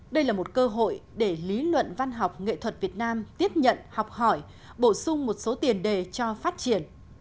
đây là một cơ hội để lý luận văn học nghệ thuật việt nam tiếp nhận học hỏi bổ sung một số tiền đề cho phát triển